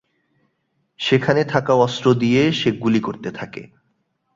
সেখানে থাকা অস্ত্র দিয়ে সে গুলি করতে থাকে।